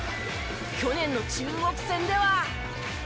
去年の中国戦では。